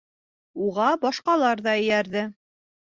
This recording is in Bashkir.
Уға башҡалар ҙа эйәрҙе.